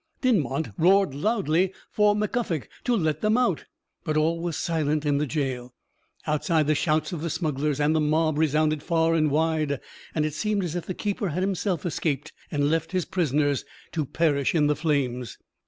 Dinmont roared loudly for Mac Guffog to let them out, but all was silent in the gaol. Outside, the shouts of the smugglers and the mob resounded far and wide, and it seemed as if the keeper had himself escaped, and left his prisoners to perish in the flames.